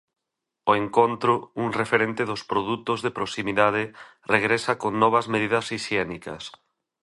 O encontro, un referente dos produtos de proximidade, regresa con novas medidas hixiénicas.